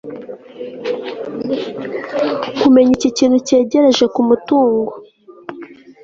kumenya iki kintu cyegereje kumutunga